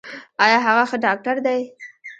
ایا هغه ښه ډاکټر دی؟